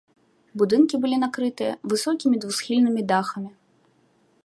Будынкі былі накрытыя высокімі двухсхільнымі дахамі.